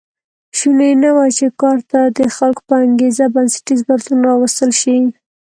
شونې نه وه چې کار ته د خلکو په انګېزه بنسټیز بدلون راوستل شي